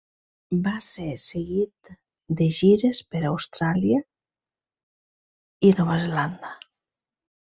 Va ser seguit de gires per Austràlia i Nova Zelanda.